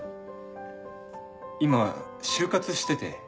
今就活してて。